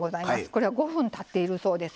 これは５分たっているそうです。